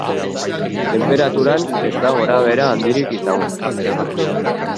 Tenperaturan ez da gorabehera handirik izango.